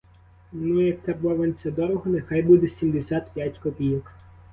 Ну, як карбованця дорого, нехай буде сімдесят п'ять копійок.